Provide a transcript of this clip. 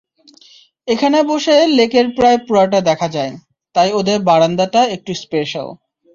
এখানে বসে লেকের প্রায় পুরোটা দেখা যায়, তাই ওদের বারান্দাটা একটু স্পেশাল।